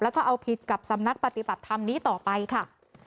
แล้วก็เอาผิดกับสำนักปฏิบัติธรรมนี้ต่อไปค่ะ